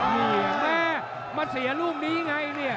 นี่แม่มันเสียรูปนี้ไง